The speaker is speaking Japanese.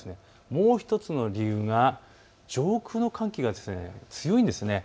もう１つの理由が上空の寒気が強いんです。